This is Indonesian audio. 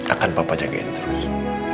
akan papa jagain terus